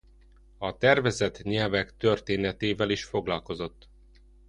A tervezett nyelvek történetével is foglalkozott.